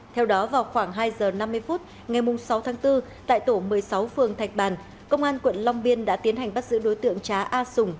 theo đó vào khoảng hai giờ năm mươi phút ngày sáu tháng bốn tại tổ một mươi sáu phường thạch bàn công an quận long biên đã tiến hành bắt giữ đối tượng trá a sùng